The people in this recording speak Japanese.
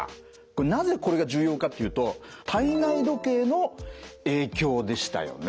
なぜこれが重要かっていうと体内時計の影響でしたよね。